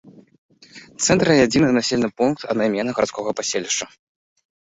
Цэнтр і адзіны населены пункт аднайменнага гарадскога паселішча.